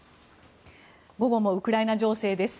午後もウクライナ情勢です。